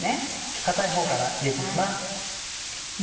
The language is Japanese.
硬いほうから入れて行きます。